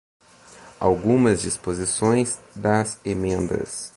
Algumas disposições das emendas